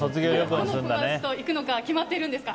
どの友達と行くのか決まっているんですか。